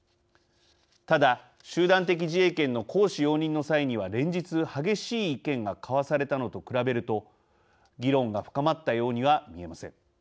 ただ集団的自衛権の行使容認の際には連日激しい意見が交わされたのと比べると議論が深まったようには見えません。